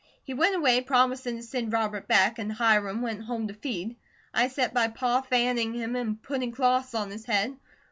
He went away, promisin' to send Robert back, and Hiram went home to feed. I set by Pa fanning him an' putting cloths on his head.